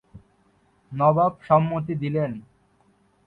নবাব সম্মতি দিলেন।